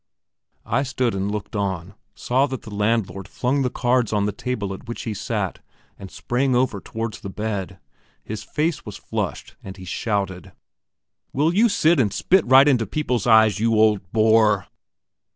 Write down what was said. I stood and looked on, saw that the landlord flung the cards on the table at which he sat, and sprang over towards the bed. His face was flushed, and he shouted: "Will you sit and spit right into people's eyes, you old boar?"